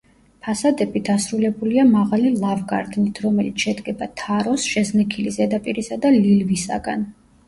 ფასადები დასრულებულია მაღალი ლავგარდნით, რომელიც შედგება თაროს, შეზნექილი ზედაპირისა და ლილვისაგან.